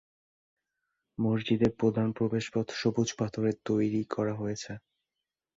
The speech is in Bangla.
মসজিদের প্রধান প্রবেশপথ সবুজ পাথরে তৈরি করা হয়েছে।